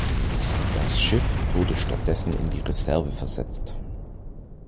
Das Schiff wurde stattdessen in die Reserve versetzt.